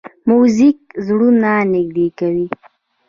موزیک زړونه نږدې کوي.